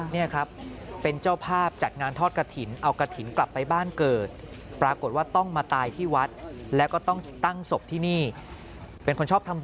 นี่ครับเป็นเจ้าภาพจัดงานทอดกะถิน